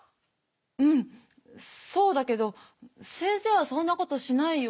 うんそうだけど先生はそんなことしないよ。